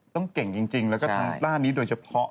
ต้องเก่งจริงแล้วก็ทางด้านนี้โดยเฉพาะ